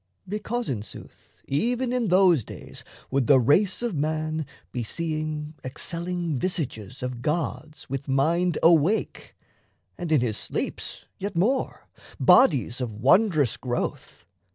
Because, in sooth, Even in those days would the race of man Be seeing excelling visages of gods With mind awake; and in his sleeps, yet more Bodies of wondrous growth.